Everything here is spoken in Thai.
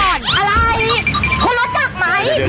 โทรรจักมั้ย